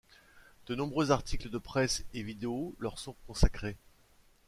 De nombreux articles de presse et vidéos leur sont consacrés.